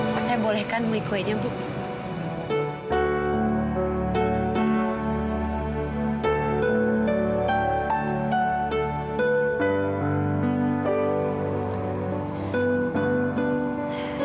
mana boleh kan membeli kuenya bu